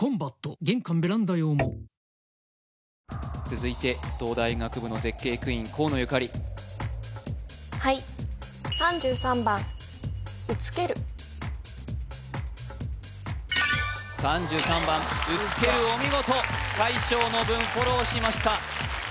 続いて東大医学部の絶景クイーン河野ゆかりはい３３番うつけるお見事大将の分フォローしました